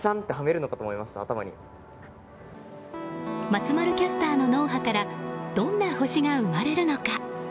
松丸キャスターの脳波からどんな星が生まれるのか。